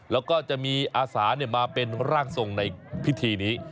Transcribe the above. แล้วก็จะมีอาสามาเป็นร่างทรงในพิธีนี้